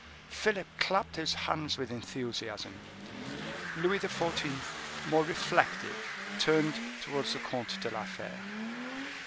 Philip clapped his hands with enthusiasm, Louis XIV., more reflective, turned towards the Comte de la Fere.